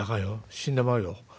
死んでまうよ。